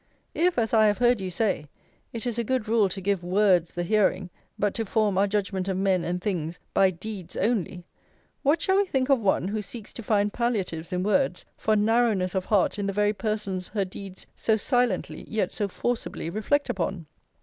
If, as I have heard you say, it is a good rule to give WORDS the hearing, but to form our judgment of men and things by DEEDS ONLY; what shall we think of one, who seeks to find palliatives in words, for narrowness of heart in the very persons her deeds so silently, yet so forcibly, reflect upon?